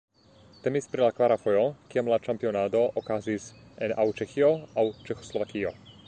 Temis pri la kvara fojo kiam la ĉampionado okazis en aŭ Ĉeĥio aŭ Ĉeĥoslovakio.